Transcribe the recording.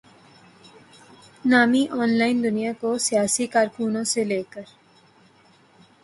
نامی online دنیا کو سیاسی کارکنوں سے لے کر